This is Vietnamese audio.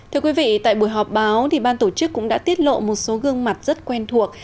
thưa quý vị tại buổi họp báo ban tổ chức cũng đã tiết lộ một số gương mặt rất quen thuộc